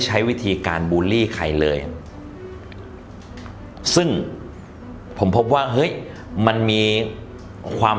ใช้วิธีการบูลลี่ใครเลยอ่ะซึ่งผมพบว่าเฮ้ยมันมีความ